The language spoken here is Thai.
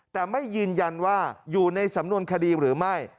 แต่ไม่ยืนยันว่าอยู่ในสำนวนคดีหรือไม่